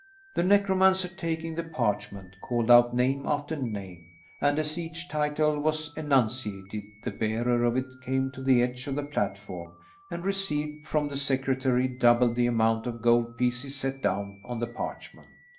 The necromancer, taking the parchment, called out name after name, and as each title was enunciated the bearer of it came to the edge of the platform and received from the secretary double the amount of gold pieces set down on the parchment.